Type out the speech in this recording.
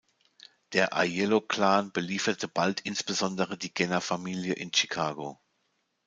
Der Aiello-Clan belieferte bald insbesondere die Genna-Familie in Chicago.